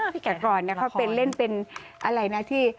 พี่ไก่ก่อนเขาเล่นเป็นอะไรนะที่